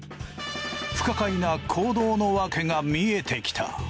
不可解な行動のわけが見えてきた。